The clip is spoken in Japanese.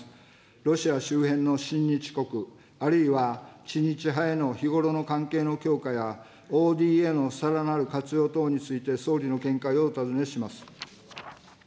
ロシア周辺の親日国、あるいは知日派への日頃の関係の強化や、ＯＤＡのさらなる活用等について、総理の見解をお尋ねします。